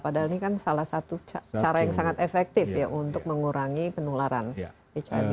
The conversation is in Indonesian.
padahal ini kan salah satu cara yang sangat efektif ya untuk mengurangi penularan ikn ini